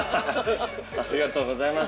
◆ありがとうございます。